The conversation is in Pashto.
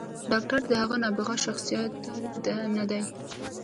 “ډاکتر د هغه نابغه شخصياتو نه دے